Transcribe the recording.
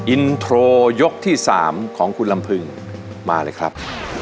อินโทรยกที่๓ของคุณลำพึงมาเลยครับ